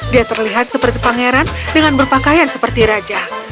dia terlihat seperti pangeran dengan berpakaian seperti raja